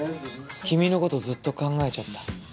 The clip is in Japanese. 君のことずっと考えちゃった。